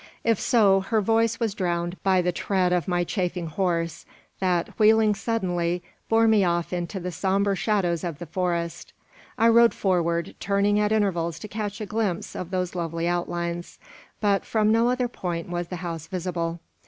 If so, her voice was drowned by the tread of my chafing horse, that, wheeling suddenly, bore me off into the sombre shadows of the forest. I rode forward, turning at intervals to catch a glimpse of those lovely outlines, but from no other point was the house visible.